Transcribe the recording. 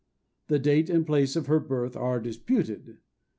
The date and place of her birth are disputed.